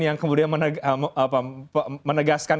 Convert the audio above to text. yang kemudian menegaskan